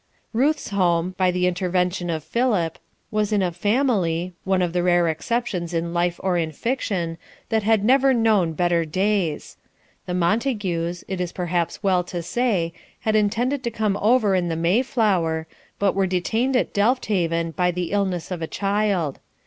Ruth's home, by the intervention of Philip, was in a family one of the rare exceptions in life or in fiction that had never known better days. The Montagues, it is perhaps well to say, had intended to come over in the Mayflower, but were detained at Delft Haven by the illness of a child.